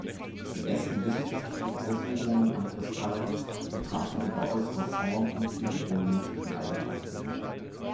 Die ersten wissenschaftlichen Untersuchungen an Kristallen betrafen ihre äußere Form und ihre geometrischen Eigenschaften.